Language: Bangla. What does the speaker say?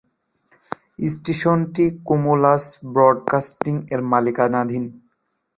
স্টেশনটি কুমুলাস ব্রডকাস্টিং এর মালিকানাধীন।